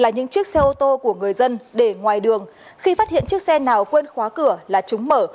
những chiếc xe ô tô của người dân để ngoài đường khi phát hiện chiếc xe nào quên khóa cửa là chúng mở